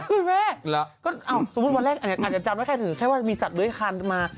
คือแม่ก็เอาสมมุติวันแรกอาจจะจำได้ถึงแค่ว่ามีสัตว์ด้วยคันมา